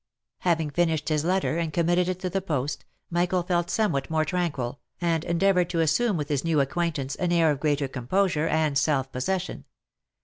Having finished his letter, and committed it to the post, Michael felt somewhat more tranquil, and endeavoured to assume with his new acquaintance an air of greater composure, and self possession.